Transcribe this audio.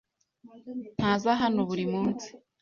Ntaza hano buri munsi.